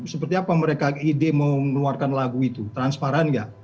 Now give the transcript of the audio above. seperti apa mereka ide mau mengeluarkan lagu itu transparan nggak